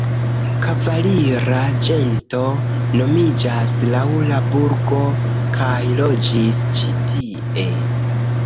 Kavalira gento nomiĝas laŭ la burgo kaj loĝis ĉi-tie.